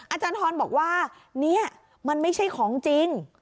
อาจารย์ทรบอกว่าเนี่ยมันไม่ใช่ของจริง